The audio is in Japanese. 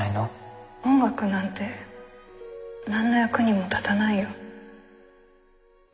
音楽なんて何の役にも立たないよ。